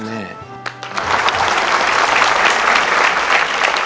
ผมจะเลี้ยวแม่